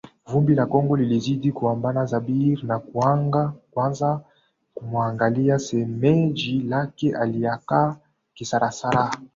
Vumbi la Congo lilizidi kumbana Jabir na kuanza kumuangalia shemeji yake aliekaa kihasarahasara